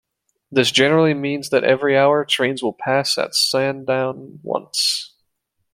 This generally means that every hour, trains will pass at Sandown once.